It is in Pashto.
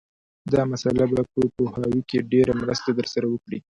دا مسأله به په پوهاوي کې ډېره مرسته در سره وکړي